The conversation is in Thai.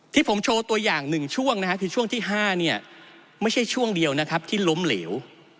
ที่ผมโชว์ตัวอย่างหนึ่งช่วงนะครับช่วงที่๕ไม่ใช่ช่วงเดียวนะครับที่ล้มเหลว